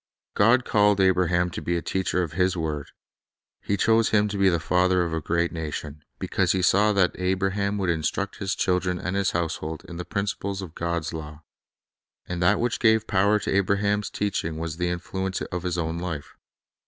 God called Abraham to be a teacher of His word, He chose him to be the father of a great nation, because He saw that Abraham would instruct his children and his household in the principles of God's law. And that which gave power to Abraham's teaching was the influ ence of his own life.